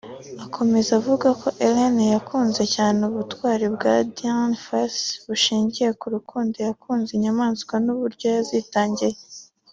Akomeza avuga ko Ellen yakunze cyane ubutwari bwa Dian Fossey bushingiye ku rukundo yakunze ibinyamaswa n’uburyo yazitangiye